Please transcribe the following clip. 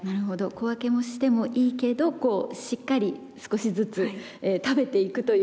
小分けもしてもいいけどしっかり少しずつ食べていくということが大切なんですね。